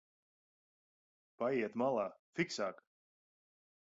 Paejiet malā, fiksāk!